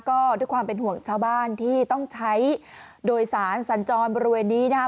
ก็ด้วยความเป็นห่วงชาวบ้านที่ต้องใช้โดยสารสัญจรบริเวณนี้นะครับ